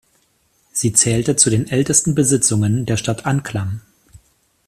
Sie zählte zu den ältesten Besitzungen der Stadt Anklam.